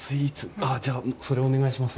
あっじゃあそれお願いします。